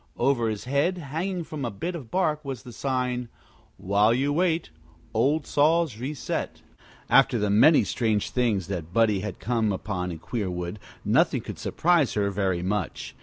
Over his head, hanging from a bit of bark, was the sign: WHILE YOU WAIT OLD SAWS RESET After the many strange things that Buddie had come upon in Queerwood, nothing could surprise her very much.